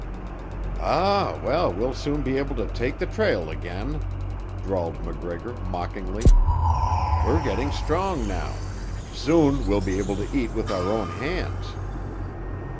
"Ah, well, we'll soon be able to take the trail again," drawled MacGregor mockingly. "We're getting strong now; soon we'll be able to eat with our own hands."